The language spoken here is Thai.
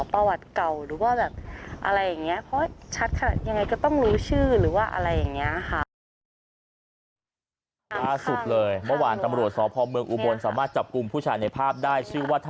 ประวัติเก่าหรือว่าแบบอะไรอย่างนี้